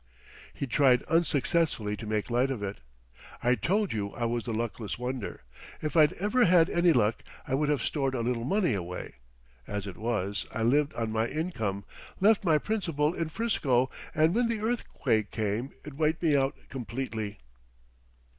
He tried unsuccessfully to make light of it. "I told you I was the Luckless Wonder; if I'd ever had any luck I would have stored a little money away. As it was, I lived on my income, left my principal in 'Frisco; and when the earthquake came, it wiped me out completely."